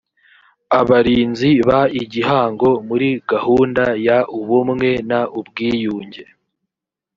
abarinzi b igihango muri gahunda y ubumwe n ubwiyunge